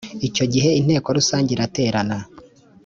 icyo gihe inteko rusange iraterana